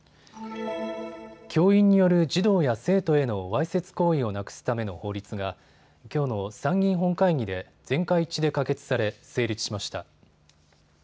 教員による児童や生徒へのわいせつ行為をなくすための法律がきょうの参議院本会議で全会一致で可決され成立しました。